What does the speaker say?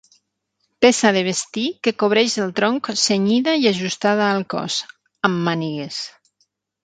Peça de vestir que cobreix el tronc cenyida i ajustada al cos, amb mànigues.